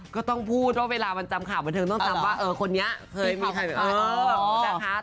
ก็ต้องพูดว่าเวลามันจำข่าวบรรเทิงต้องจำว่าเออคนนี้เคยมีข่าวแอมโยกกับหลังคุณผู้ชม